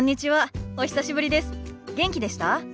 元気でした？